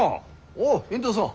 おお遠藤さん。